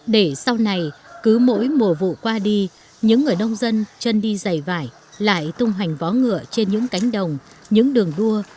để sau này cứ mỗi mùa vụ qua đi những người nông dân chân đi dày vải lại tung hoành vó ngựa trên những cánh đồng những đường đua